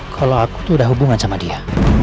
kalau aku tuh udah hubungan sama dia